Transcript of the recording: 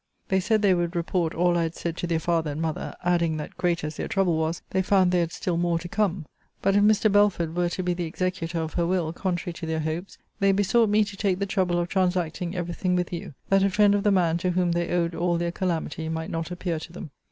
They said they would report all I had said to their father and mother; adding, that great as their trouble was, they found they had still more to come. But if Mr. Belford were to be the executor of her will, contrary to their hopes, they besought me to take the trouble of transacting every thing with you; that a friend of the man to whom they owed all their calamity might not appear to them.